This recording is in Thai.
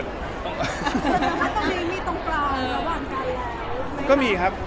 ส่วนข้างข้างตรงนี้มีตรงปลอมระหว่างกันแล้ว